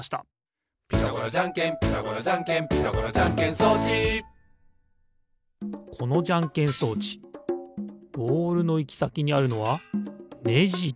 「ピタゴラじゃんけんピタゴラじゃんけん」「ピタゴラじゃんけん装置」このじゃんけん装置ボールのいきさきにあるのはネジですかね。